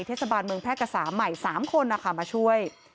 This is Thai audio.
เทศบาลเมืองแพร่กษาใหม่๓คนนะคะมาช่วย